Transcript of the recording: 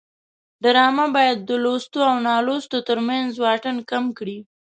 ډرامه باید د لوستو او نالوستو ترمنځ واټن کم کړي